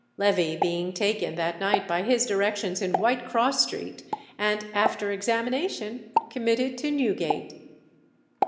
Levee being taken that night by his directions in White Cross Street, and after examination committed to Newgate.